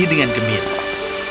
mereka meng mineralsyo